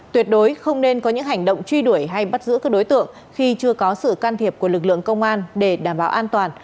tuyệt đối không nên có những hành động truy đuổi hay bắt giữ các đối tượng khi chưa có sự can thiệp của lực lượng công an để đảm bảo an toàn